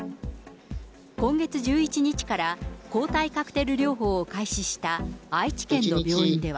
今月１１日から抗体カクテル療法を開始した愛知県の病院では。